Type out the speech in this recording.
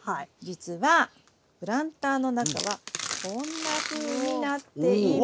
実はプランターの中はこんなふうになっています。